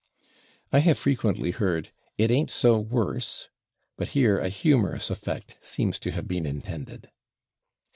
I have frequently heard "it ain't so /worse/," but here a humorous effect seems to have been intended.